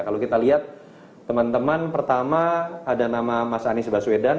kalau kita lihat teman teman pertama ada nama mas anies baswedan